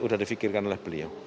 sudah dipikirkan oleh beliau